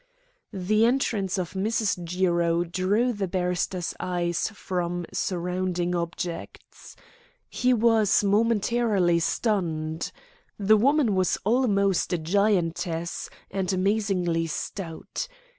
The entrance of Mrs. Jiro drew the barrister's eyes from surrounding objects. He was momentarily stunned. The woman was almost a giantess, and amazingly stout.